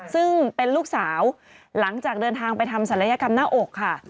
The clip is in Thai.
ซึ่งเป็นลูกสาวหลังจากเดินทางไปทำศัลยกรรมหน้าอกค่ะ